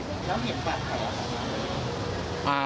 แล้วเห็นฝันใครละครับ